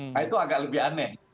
nah itu agak lebih aneh